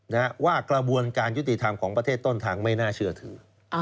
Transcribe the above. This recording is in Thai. นะฮะว่ากระบวนการยุติธรรมของประเทศต้นทางไม่น่าเชื่อถือ